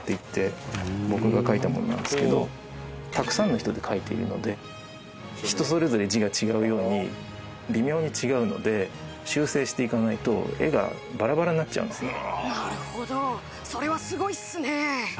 たくさんの人で描いているので人それぞれ字が違うように微妙に違うので修正していかないと絵がバラバラになっちゃうんですね。